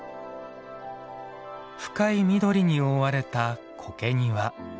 深い緑に覆われた苔庭。